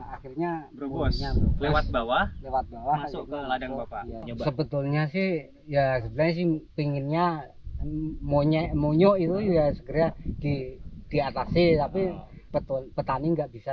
akhirnya lewat bawah bawah sebetulnya sih ya pengennya monyet monyet diatasi petani nggak bisa